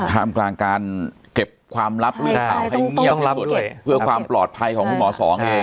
ท่ามกลางการเก็บความลับเรื่องข่าวให้เงียบที่สุดเพื่อความปลอดภัยของคุณหมอสองเอง